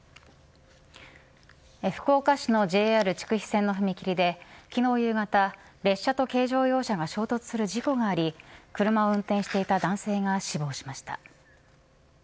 福岡市のＪＲ筑肥線の踏切で昨日夕方、列車と軽乗用車が衝突する事故があり車を運転していた男性が死亡しました。